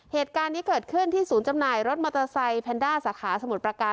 เหตุการณ์นี้เกิดขึ้นที่ศูนย์จำหน่ายรถมอเตอร์ไซค์แพนด้าสาขาสมุทรประการ